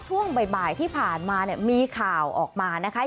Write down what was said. ช่วงบ่ายที่ผ่านมาเนี่ยมีข่าวออกมานะคะ